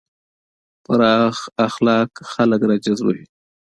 پوخ اخلاق خلک راجذبوي